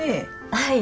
はい。